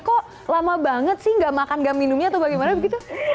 kok lama banget sih nggak makan gak minumnya atau bagaimana begitu